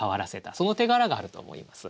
その手柄があると思います。